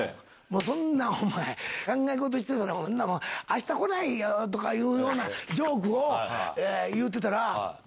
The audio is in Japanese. そんなんお前考え事してたら明日来ないよ！とかいうようなジョークを言うてたら。